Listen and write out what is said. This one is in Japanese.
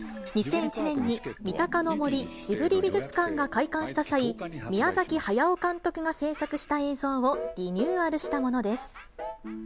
２００１年に三鷹の森ジブリ美術館が開館した際、宮崎駿監督が制作した映像をリニューアルしたものです。